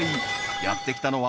やって来たのは］